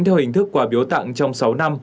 theo hình thức quả biếu tặng trong sáu năm